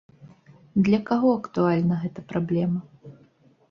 Для каго актуальна гэта праблема?